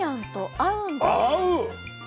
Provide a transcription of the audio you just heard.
合う！